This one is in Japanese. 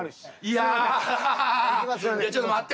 いやあちょっと待って。